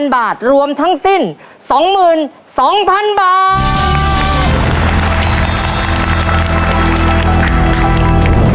๐บาทรวมทั้งสิ้น๒๒๐๐๐บาท